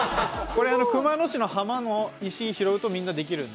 これ熊野市の浜の石を拾うとみんなできる。